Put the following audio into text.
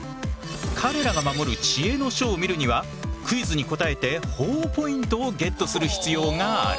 彼らが守る知恵の書を見るにはクイズに答えてほぉポイントをゲットする必要がある。